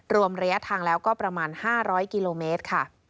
รวมระยะทางแล้วก็ประมาณ๕๐๐กิโลเมตรค่ะ